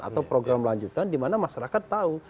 atau program lanjutan di mana masyarakat tahu